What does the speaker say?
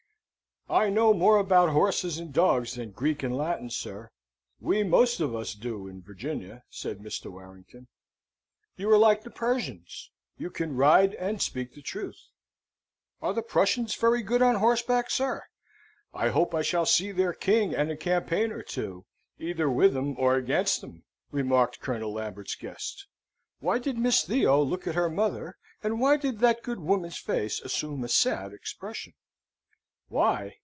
"I know more about horses and dogs than Greek and Latin, sir. We most of us do in Virginia," said Mr. Warrington. "You are like the Persians; you can ride and speak the truth." "Are the Prussians very good on horseback, sir? I hope I shall see their king and a campaign or two, either with 'em or against 'em," remarked Colonel Lambert's guest. Why did Miss Theo look at her mother, and why did that good woman's face assume a sad expression? Why?